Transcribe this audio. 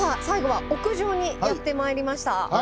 最後は屋上にやって参りました。